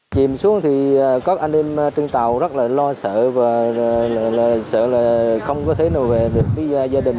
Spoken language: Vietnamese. chìm xuống thì các anh em trên tàu rất là lo sợ và sợ là không có thể nào về được với gia đình